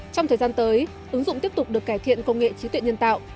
trong thời gian tới ứng dụng tiếp tục được cải thiện công nghệ trí tuệ nhân tạo